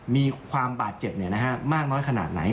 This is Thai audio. มีความบาดเจ็บมากน้อยขนาดไหน